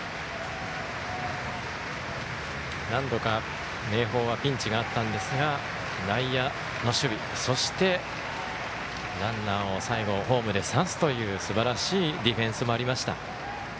何度か明豊はピンチがあったんですが内野の守備そして、ランナーを最後ホームで刺すという、すばらしいディフェンスもありました。